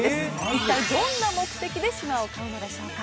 一体どんな目的で島を買うのでしょうか？